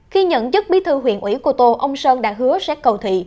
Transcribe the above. khi nhận chức bí thư huyện ủy cô tô ông sơn đã hứa sẽ cầu thị